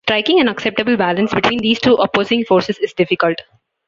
Striking an acceptable balance between these two opposing forces is difficult.